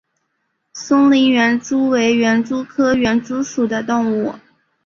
松林园蛛为园蛛科园蛛属的动物。